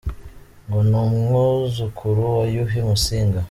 Ngo ni umwuzukuru wa Yuhi Musinga.